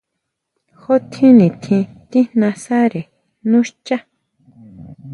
¿Ju tjín nitjín tíjnasare nú xchá?